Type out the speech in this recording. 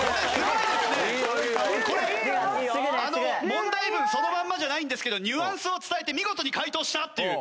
問題文そのまんまじゃないんですけどニュアンスを伝えて見事に解答したっていう。